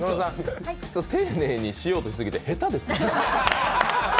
丁寧にしようとしすぎて下手ですね。